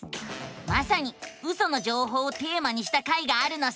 まさにウソの情報をテーマにした回があるのさ！